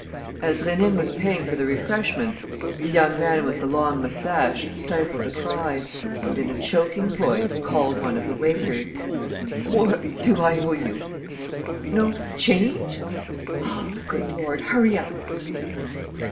As Rénine was paying for the refreshments, the young man with the long moustache stifled a cry and, in a choking voice, called one of the waiters: "What do I owe you?... No change? Oh, good Lord, hurry up!"